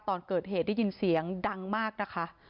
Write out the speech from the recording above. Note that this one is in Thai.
ตอนเกิดเหตุได้ยินเสียงดังมากนะคะ